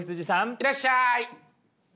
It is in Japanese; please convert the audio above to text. いらっしゃい。